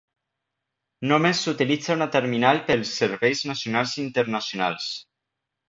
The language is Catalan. Només s"utilitza una terminal pels serveis nacionals i internacionals.